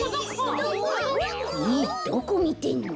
えっどこみてんの？